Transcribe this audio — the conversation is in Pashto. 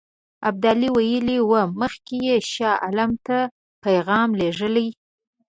ابدالي ویلي وو مخکې یې شاه عالم ته پیغام لېږلی.